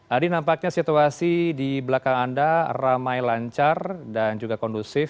adi nampaknya situasi di belakang anda ramai lancar dan juga kondusif